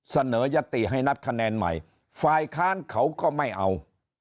เสนอยติให้นับคะแนนใหม่ฝ่ายค้านเขาก็ไม่เอา